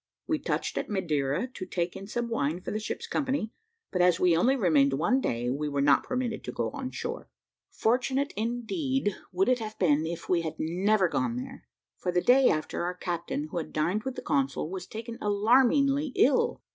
We touched at Madeira to take in some wine for the ship's company; but as we only remained one day, we were not permitted to go on shore. Fortunate indeed would it have been if we had never gone there; for the day after, our captain, who had dined with the consul, was taken alarmingly ill.